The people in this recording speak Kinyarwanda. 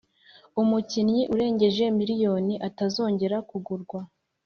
umukinnyi urengeje miliyoni atazongera kugurwa